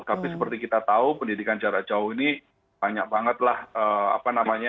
tapi seperti kita tahu pendidikan jarak jauh ini banyak banget lah apa namanya